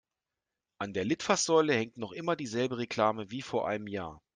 An der Litfaßsäule hängt noch immer dieselbe Reklame wie vor einem Jahr.